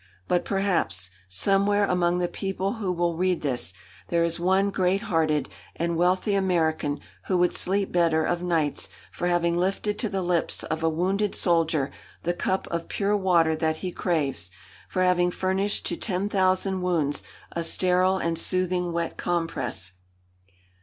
But perhaps, somewhere among the people who will read this, there is one great hearted and wealthy American who would sleep better of nights for having lifted to the lips of a wounded soldier the cup of pure water that he craves; for having furnished to ten thousand wounds a sterile and soothing wet compress.